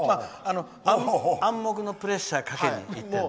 暗黙のプレッシャーをかけにいってるの。